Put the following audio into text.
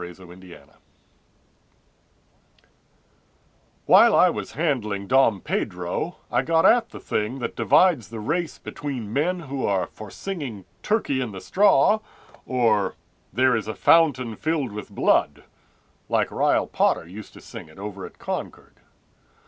Jim Brown While I was handling Dom Pedro I got at the thing that divides the race between men who are For singing "Turkey in the straw" or "There is a fountain filled with blood"— (Like Rile Potter used to sing it over at Concord).